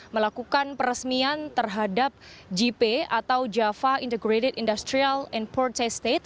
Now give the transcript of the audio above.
melakukan peresmian terhadap jipe atau java integrated industrial and port estate